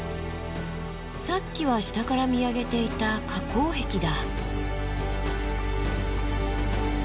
さっきは下から見上げていた火口壁だ。